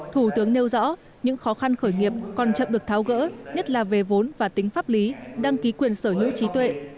thủ tướng nêu rõ những khó khăn khởi nghiệp còn chậm được tháo gỡ nhất là về vốn và tính pháp lý đăng ký quyền sở hữu trí tuệ